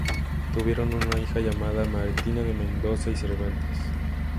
Tuvieron una hija llamada Martina de Mendoza y Cervantes.